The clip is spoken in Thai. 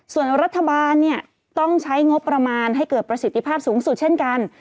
ส่วนรัฐบาลเนี่ยต้องใช้งบประมาณให้เกิดประสิทธิภาพสูงสุดเช่นกัน